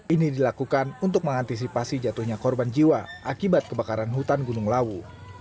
ini dilakukan untuk mengantisipasi jatuhnya korban jiwa akibat kebakaran hutan gunung lawu